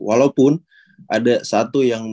walaupun ada satu yang